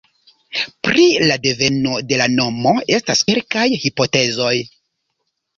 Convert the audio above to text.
Pri la deveno de la nomo estas kelkaj hipotezoj.